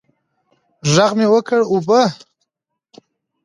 ږغ مې وکړ اوبه.